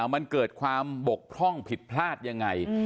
มันเกิดความบกพร่องผิดพลาดยังไง